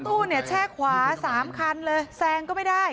รถตู้แช่ขวา๓คันเลยแซงก็ไม่ได้